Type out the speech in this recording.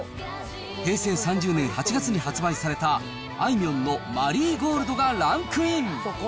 平成３０年８月に発売されたあいみょんのマリーゴールドがランクイン。